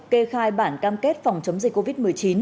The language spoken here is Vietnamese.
kê khai bản cam kết phòng chống dịch covid một mươi chín